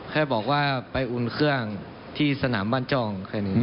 เพื่อบอกว่าไปอุณเครื่องที่สนามบ้านจอง